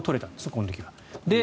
この時は。